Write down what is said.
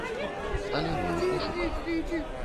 Але мы ў пошуках.